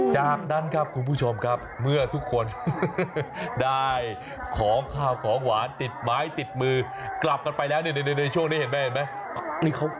จากนั้นค่ะคุณผู้ชมกลับเมื่อทุกคนได้ของข้าวของหวานติดไม้ติดมือกลับกันไปแล้วดูเรื่องที่เล่น